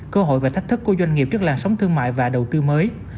cơ hội và thách thức của doanh nghiệp trước làn sóng thương mại và đầu tư mới